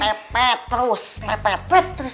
pepe terus pepe terus